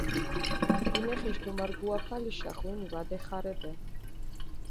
ბინეხიში დუმარგუაფალიშა ღვინი ვადეხარებე.